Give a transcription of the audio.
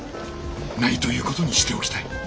ないということにしておきたい。